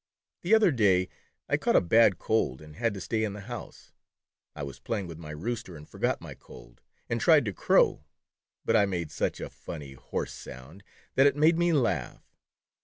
The other day I caught a bad cold, and had to stay in the house. I was playing with my Roos ter and forgot my cold, and tried to crow, but I made such a funny, hoarse sound that it made me laugh.